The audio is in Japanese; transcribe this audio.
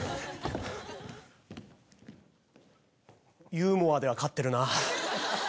ユーモアでは勝ってるな。